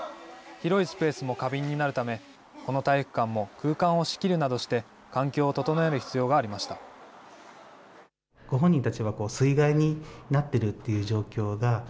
広いスペースも過敏になるため、この体育館も空間を仕切るなどして、環境を整える必要がありました。